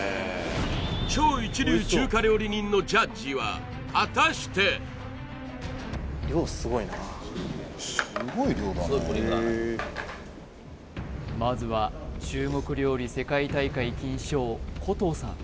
超一流中華料理人のジャッジは果たしてまずは中国料理世界大会金賞古藤さん